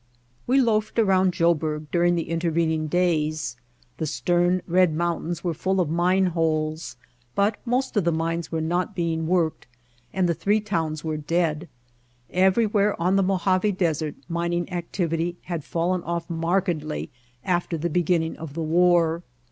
We loafed around Joburg during the inter vening days. The stern, red mountains were full of mine holes, but most of the mines were not being worked and the three towns were dead. Everywhere on the Mojave Desert mining activ ity had fallen off markedly after the beginning of the war.